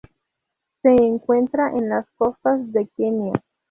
Se encuentra en las costas de Kenia.